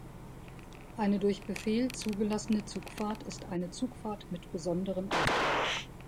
Eine durch Befehl zugelassene Zugfahrt ist eine Zugfahrt mit besonderem Auftrag.